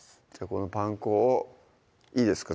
このパン粉をいいですか？